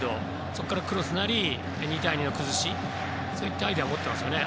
そこからクロスなり２対２の崩しそういったアイデアを持っていますね。